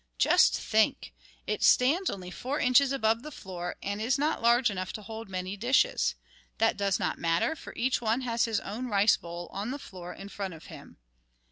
Just think! It stands only four inches above the floor, and is not large enough to hold many dishes. That does not matter, for each one has his own rice bowl on the floor in front of him.